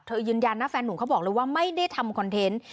ยืนยันนะแฟนหนุ่มเขาบอกเลยว่าไม่ได้ทำคอนเทนต์